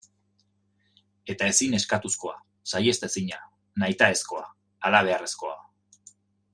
Eta ezin eskastuzkoa, saihetsezina, nahitaezkoa, halabeharrezkoa.